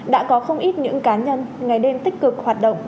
đã có không ít những cá nhân ngày đêm tích cực hoạt động